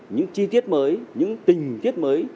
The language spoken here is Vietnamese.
những chi tiết mới những tình tiết mới